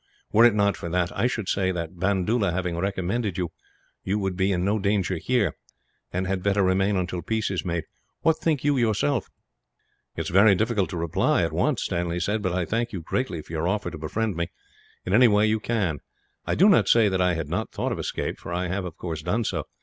Were it not for that, I should say that, Bandoola having recommended you, you would be in no danger here, and had better remain until peace is made. "What think you, yourself?" "It is very difficult to reply, at once," Stanley said, "but I thank you greatly for your offer to befriend me, in any way you can. I do not say that I had not thought of escape, for I have of course done so.